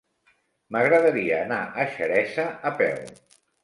M'agradaria anar a Xeresa a peu.